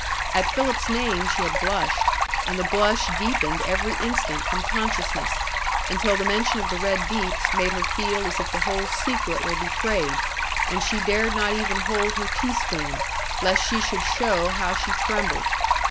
At Philip's name she had blushed, and the blush deepened every instant from consciousness, until the mention of the Red Deeps made her feel as if the whole secret were betrayed, and she dared not even hold her tea spoon lest she should show how she trembled.